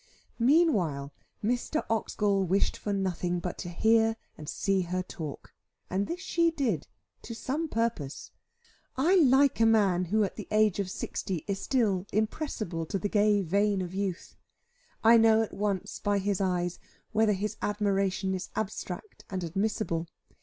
Meanwhile Mr. Oxgall wished for nothing but to hear and see her talk; and this she did to some purpose. I like a man who at the age of sixty is still impressible to the gay vein of youth. I know at once by his eyes whether his admiration is abstract and admissible.